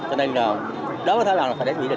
cho nên đối với thái lan là phải đếch mỹ đình